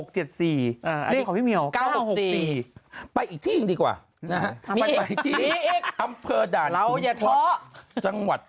เลขของพี่เมียว๙๖๔เลขของพี่เมียว๙๖๔